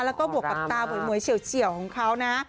แล้วก็บวกกับตาหมวยเฉียวของเขานะ